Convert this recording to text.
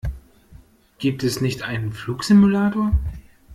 Gibt es nicht einen Flugsimulator?